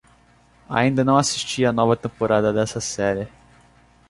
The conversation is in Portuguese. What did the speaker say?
Ainda não assisti a nova temporada dessa série